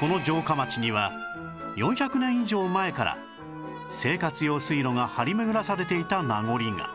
この城下町には４００年以上前から生活用水路が張り巡らされていた名残が